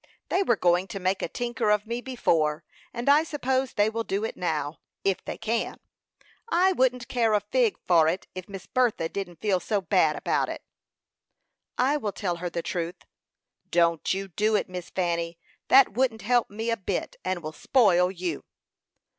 They were going to make a tinker of me before, and I suppose they will do it now if they can. I wouldn't care a fig for it if Miss Bertha didn't feel so bad about it." "I will tell her the truth." "Don't you do it, Miss Fanny. That wouldn't help me a bit, and will spoil you."